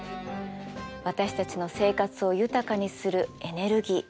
私たちの生活を豊かにするエネルギー。